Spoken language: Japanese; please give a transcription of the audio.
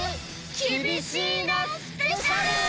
きびしいなスペシャル！